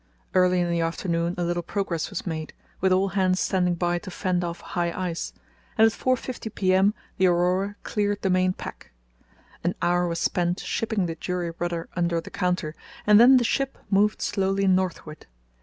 Early in the afternoon a little progress was made, with all hands standing by to fend off high ice, and at 4.50 p.m. the Aurora cleared the main pack. An hour was spent shipping the jury rudder under the counter, and then the ship moved slowly northward.